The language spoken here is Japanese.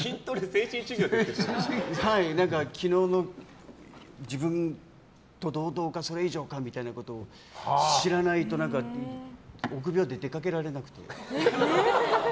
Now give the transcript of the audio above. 昨日の自分と同等かそれ以上か知らないと臆病で出かけられなくて。